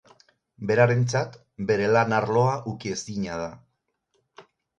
Berarentzat, bere lan-arloa ukiezina da.